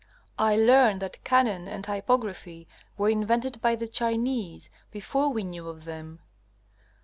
I learned that cannon and typography were invented by the Chinese before we knew of them.